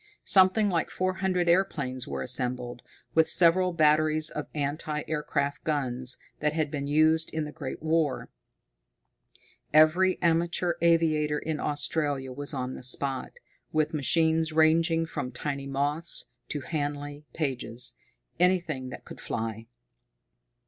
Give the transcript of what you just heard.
Something like four hundred airplanes were assembled, with several batteries of anti aircraft guns that had been used in the Great War. Every amateur aviator in Australia was on the spot, with machines ranging from tiny Moths to Handley Pages anything that could fly.